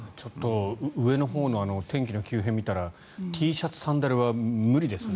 上のほうの天気の急変を見たらＴシャツ・サンダルは無理ですね。